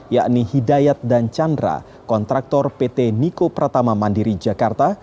yakni hidayat dan chandra kontraktor pt niko pratama mandiri jakarta